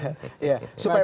supaya pak jk